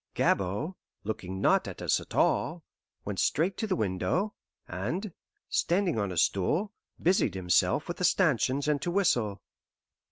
Gabord, looking not at us at all, went straight to the window, and, standing on a stool, busied himself with the stanchions and to whistle.